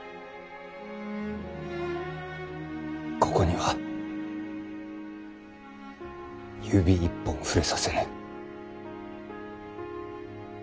ここには指一本触れさせぬ。